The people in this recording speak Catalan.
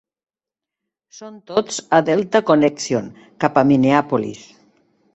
Son tots a Delta Connection cap a Minneapolis.